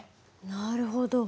なるほど。